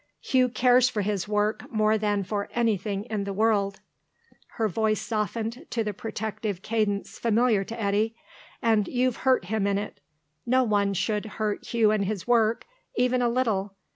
Hugh cares for his work more than for anything in the world," her voice softened to the protective cadence familiar to Eddy, "and you've hurt him in it. No one should hurt Hugh in his work, even a little.